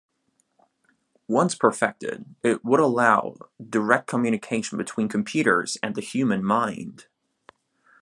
Once perfected, it would allow direct communication between computers and the human mind.